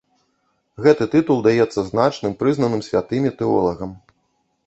Гэты тытул даецца значным, прызнаным святымі, тэолагам.